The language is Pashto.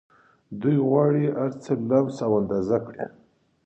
دوی غواړي هرڅه لمس او اندازه کړي